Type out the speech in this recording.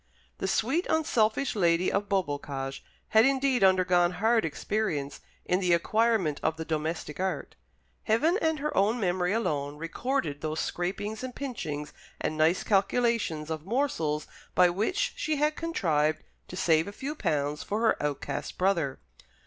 The sweet unselfish lady of Beaubocage had indeed undergone hard experience in the acquirement of the domestic art. Heaven and her own memory alone recorded those scrapings and pinchings and nice calculations of morsels by which she had contrived to save a few pounds for her outcast brother.